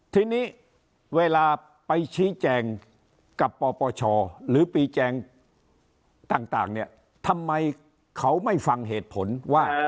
ทีนี้เวลาไปชี้แจงกับปปชหรือปีแจงต่างเนี่ยทำไมเขาไม่ฟังเหตุผลว่า